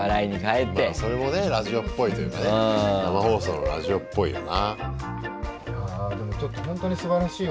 まあそれもねラジオっぽいというかね生放送のラジオっぽいよな。